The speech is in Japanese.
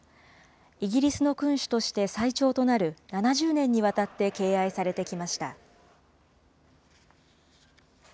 イギリスの君主として最長となる、７０年にわたって敬愛されてきました。